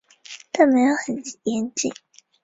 但没有很严谨